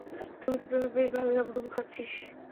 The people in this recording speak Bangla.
তুই তো প্রেমে বেশ ভালোই হাবুডুবু খাচ্ছিস!